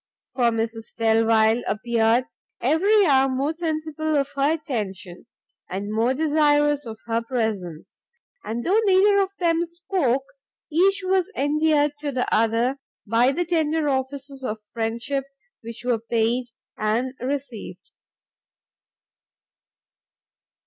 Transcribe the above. For Mrs Delvile appeared every hour more sensible of her attention, and more desirous of her presence, and though neither of them spoke, each was endeared to the other by the tender offices of friendship which were paid and received.